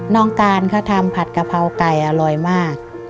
น้องการเขาทำผัดกะเพราไก่อร่อยมาก